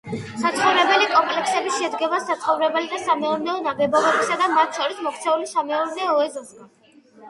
საცხოვრებელი კომპლექსები შედგება საცხოვრებელი და სამეურნეო ნაგებობებისა და მათ შორის მოქცეული სამეურნეო ეზოსაგან.